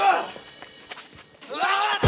kau harus hafal penuh ya